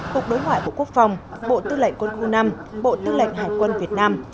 hục đối ngoại của quốc phòng bộ tư lệnh quân khu năm bộ tư lệnh hải quân việt nam